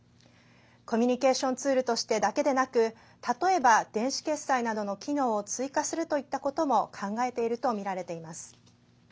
コミュニケーションツールとしてだけでなく例えば電子決済などの機能を追加するといったことも考えているとみられています。